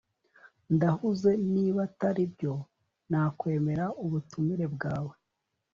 ndahuze. niba ataribyo, nakwemera ubutumire bwawe